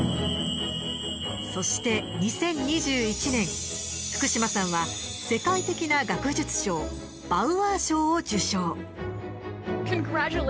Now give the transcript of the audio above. そして２０２１年福島さんは世界的な学術賞バウアー賞を受賞。